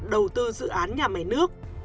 đầu tư dự án nhà máy nước